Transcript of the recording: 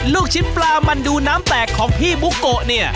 ลูกชิ้นปลามันดูน้ำแตกของพี่บุโกะเนี่ย